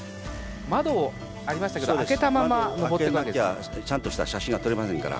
窓を開けなきゃちゃんとした写真は撮れませんから。